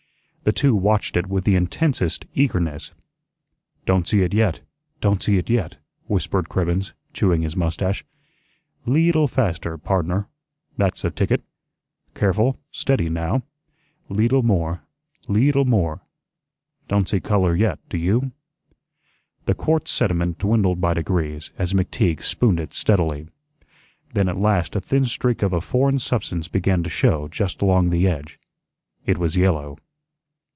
The two watched it with the intensest eagerness. "Don't see it yet; don't see it yet," whispered Cribbens, chewing his mustache. "LEETLE faster, pardner. That's the ticket. Careful, steady, now; leetle more, leetle more. Don't see color yet, do you?" The quartz sediment dwindled by degrees as McTeague spooned it steadily. Then at last a thin streak of a foreign substance began to show just along the edge. It was yellow.